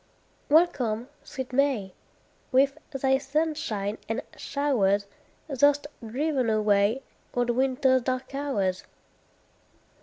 Welcome, sweet May! With thy sunshine and showers Thou'st driven away Old winter's dark hours.